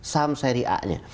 saham seri a nya